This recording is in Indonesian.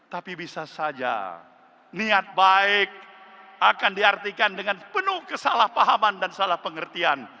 tapi bisa saja niat baik akan diartikan dengan penuh kesalahpahaman dan salah pengertian